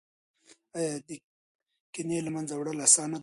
ایا د کینې له منځه وړل اسانه دي؟